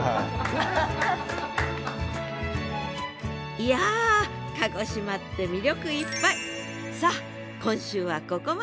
いや鹿児島って魅力いっぱい！